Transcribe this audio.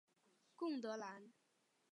贡德兰。